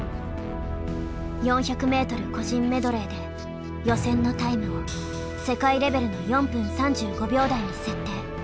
４００ｍ個人メドレーで予選のタイムを世界レベルの４分３５秒台に設定。